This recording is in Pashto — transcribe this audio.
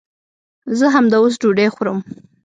زه همداوس ډوډۍ خورم